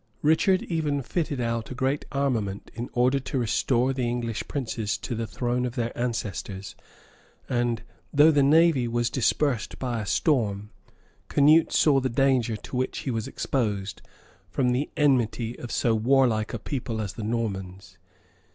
Richard even fitted out a great armament, in order to restore the English princes to the throne of their ancestors; and though the navy was dispersed by a storm, Canute saw the danger to which he was exposed, from the enmity of so warlike a people as the Normans.